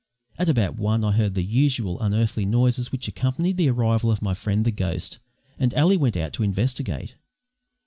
At about one I heard the usual unearthly noises which accompanied the arrival of my friend the ghost, and Ally went out to investigate.